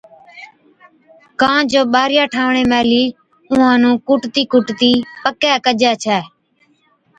ڪان جو ٻارِيان ٺاهوَڻي مهلِي اُونهان نُون ڪوٺتِي ڪُوٺتِي پڪَي ڪجَي ڇَي،